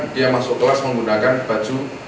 dia masuk kelas menggunakan baju